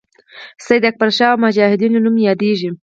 سید اکبرشاه او مجاهدینو نوم یادیږي.